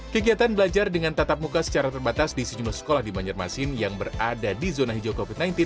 kegiatan belajar dengan tatap muka secara terbatas di sejumlah sekolah di banjarmasin yang berada di zona hijau covid sembilan belas